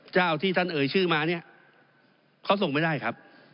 เจ้าที่ท่านเอ่ยชื่อมาเนี่ยเขาส่งไม่ได้ครับ